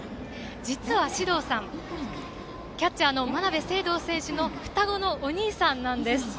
実は至憧さんキャッチャーの真鍋成憧選手の双子のお兄さんなんです。